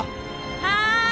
はい！